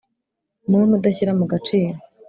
Muntu udashyira mu gaciro